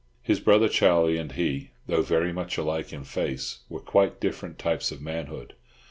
His brother Charlie and he, though very much alike in face, were quite different types of manhood.